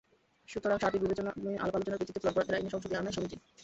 সুতরাং সার্বিক বিবেচনায় আলাপ-আলোচনার ভিত্তিতে প্লট বরাদ্দের আইনে সংশোধনী আনাই সমীচীন।